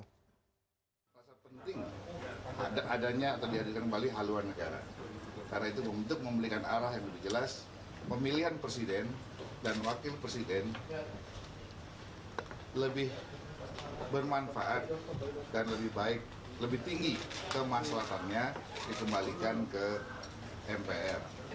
rasa penting adanya terjadi kembali haluan negara karena itu untuk memiliki arah yang lebih jelas pemilihan presiden dan wakil presiden lebih bermanfaat dan lebih baik lebih tinggi kemaslahannya dikembalikan ke mpr